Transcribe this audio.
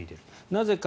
なぜか。